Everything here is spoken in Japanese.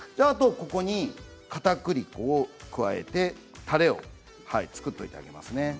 あとはここにかたくり粉を加えてたれを作っておいてあげますね。